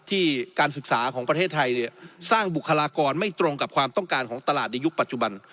การศึกษาของประเทศไทยสร้างบุคลากรไม่ตรงกับความต้องการของตลาดในยุคปัจจุบัน